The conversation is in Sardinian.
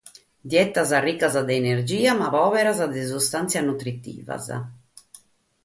Dietas ricas de energia ma pòberas de sustàntzias nutritivas.